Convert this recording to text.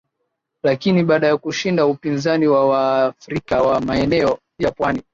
lakini baada ya kushinda upinzani wa Waafrika wa maeneo ya pwani